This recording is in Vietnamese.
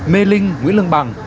mê linh nguyễn lương bằng